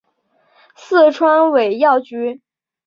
四川尾药菊